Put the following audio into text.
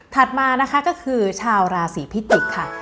มานะคะก็คือชาวราศีพิจิกษ์ค่ะ